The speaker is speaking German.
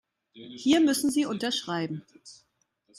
Hier müssen Sie unterschreiben.